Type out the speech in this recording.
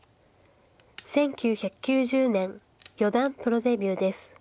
１９９０年四段プロデビューです。